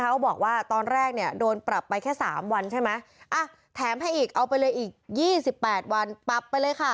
เขาบอกว่าตอนแรกเนี่ยโดนปรับไปแค่๓วันใช่ไหมอ่ะแถมให้อีกเอาไปเลยอีก๒๘วันปรับไปเลยค่ะ